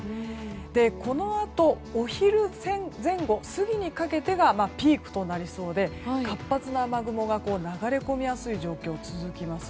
このあとお昼前後過ぎにかけてがピークとなりそうで活発な雨雲が流れ込みやすい状況が続きます。